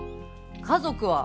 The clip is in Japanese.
家族は？